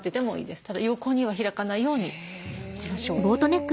ただ横には開かないようにしましょう。